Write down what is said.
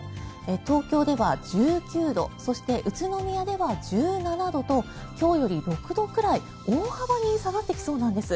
東京では１９度そして、宇都宮では１７度と今日より６度くらい大幅に下がってきそうです。